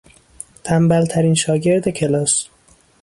تنبلترین شاگرد کلاس